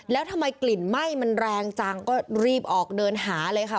แล้วทำไมกลิ่นไหม้มันแรงจังก็รีบออกเดินหาเลยค่ะ